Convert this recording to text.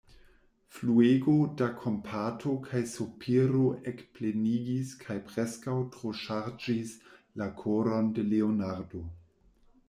Fluego da kompato kaj sopiro ekplenigis kaj preskaŭ troŝarĝis la koron de Leonardo.